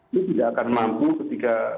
itu tidak akan mampu ketika